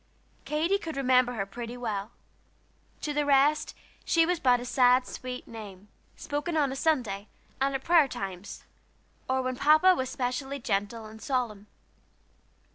Katy could remember her pretty well; to the rest she was but a sad, sweet name, spoken on Sunday, and at prayer times, or when Papa was especially gentle and solemn.